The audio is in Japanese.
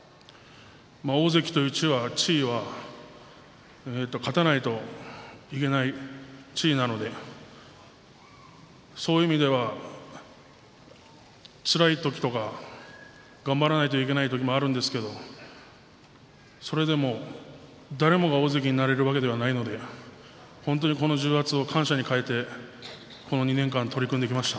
大関という地位は勝たないといけない地位なのでそういう意味ではつらい時とか頑張らないといけない時もあるんですけれどそれでも、誰もが大関になれるわけではないので本当に、この重圧を感謝に変えてこの２年間取り組んでいきました。